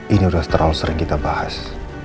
ini sudah terlalu sering kita bahas